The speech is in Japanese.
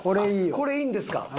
これいいんですか？